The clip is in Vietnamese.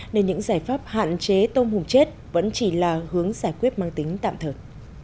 nên những giải pháp hạn chế tôm hùm chết vẫn chỉ là hướng giải quyết mang tính tạm thời